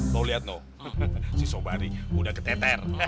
lo lihat no si sobari udah keteter